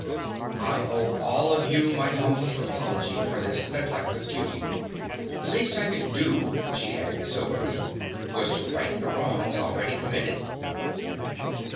I owe all of you my humblest apology for this neglect of duty. The least I could do," she added soberly, "was to right the wrongs already committed."